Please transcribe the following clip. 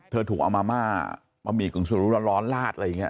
เธอถูกอามาม่ามะหมี่กรึงสุรร้อนร้อนลาดอะไรอย่างนี้